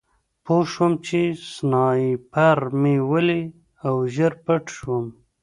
پوه شوم چې سنایپر مې ولي او ژر پټ شوم